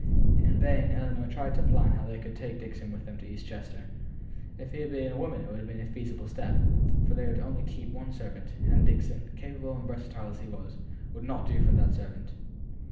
In vain Ellinor tried to plan how they could take Dixon with them to East Chester. If he had been a woman it would have been a feasible step; but they were only to keep one servant, and Dixon, capable and versatile as he was, would not do for that servant.